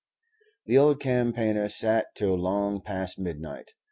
The old campaigner sat till long past midnight.